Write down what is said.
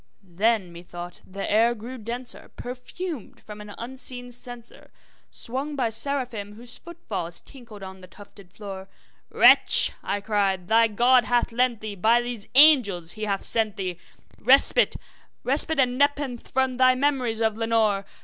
Then, methought, the air grew denser, perfumed from an unseen censer Swung by Seraphim whose foot falls tinkled on the tufted floor. `Wretch,' I cried, `thy God hath lent thee by these angels he has sent thee Respite respite and nepenthe from thy memories of Lenore!